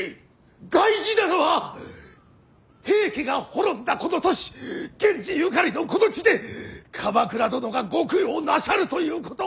大事なのは平家が滅んだこの年源氏ゆかりのこの地で鎌倉殿がご供養なさるということ。